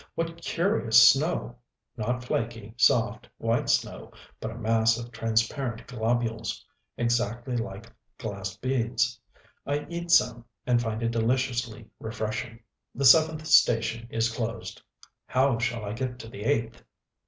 What curious snow! Not flaky, soft, white snow, but a mass of transparent globules, exactly like glass beads. I eat some, and find it deliciously refreshing.... The seventh station is closed. How shall I get to the eighth?...